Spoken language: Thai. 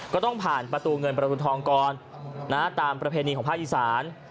ก็ต้องผ่านประตูเงินประตูทองก่อนตามประเพณีของภาคอีสาน